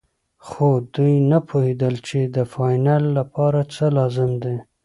خو دوی نه پوهېدل چې د فاینل لپاره څه لازم دي.